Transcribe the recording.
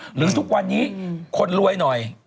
หรือทุกวันนี้คนรวยหน่อย